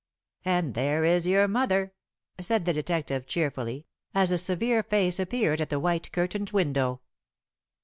"And there is your mother," said the detective cheerfully, as a severe face appeared at the white curtained window.